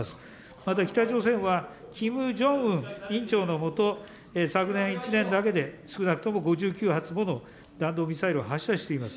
また北朝鮮はキム・ジョンウン委員長の下、昨年１年だけで、少なくとも５９発もの弾道ミサイルを発射しています。